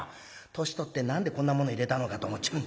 年取って何でこんなもの入れたのかと思っちまう。